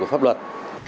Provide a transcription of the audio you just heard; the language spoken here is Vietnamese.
của pháp luật